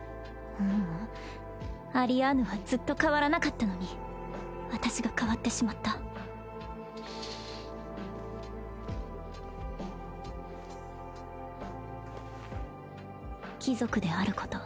うんアリアーヌはずっと変わらなかったのに私が変わってしまった貴族であること